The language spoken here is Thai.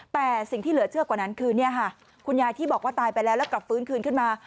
แต่สิ่งที่เหลือเชื่อกว่านั้นคือเนี่ยค่ะคุณยายที่บอกว่าตายไปแล้วแล้วกลับฟื้นคืนขึ้นมา